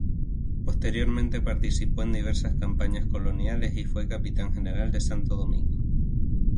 Posteriormente participó en diversas campañas coloniales y fue capitán general de Santo Domingo.